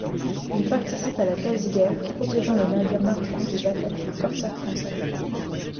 Il participe à la quasi-guerre, protégeant les navires marchands des attaques des corsaires français.